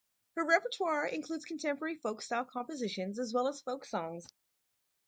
Her repertoire includes contemporary folk-style compositions as well as folk songs.